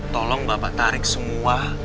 tolong bapak tarik semua